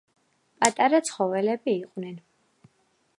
პატარა ცხოველები იყვნენ.